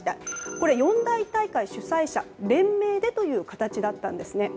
これは四大大会主催者連名でという形だったんですね。